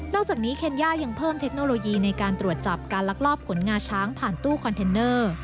อกจากนี้เคนย่ายังเพิ่มเทคโนโลยีในการตรวจจับการลักลอบขนงาช้างผ่านตู้คอนเทนเนอร์